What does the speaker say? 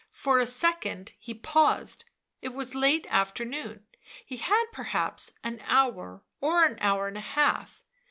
For a second he paused; it was late afternoon, he had perhaps an hour or an hour and a half.